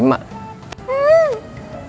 emang siapa yang menyatakan cinta